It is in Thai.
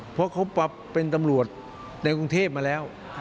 เพราะเขาปรับเป็นตำรวจในกรุงเทพมาแล้ว